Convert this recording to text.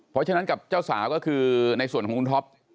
เพราะฉะนั้นกับเจ้าสาวก็คือในส่วนของคุณท็อป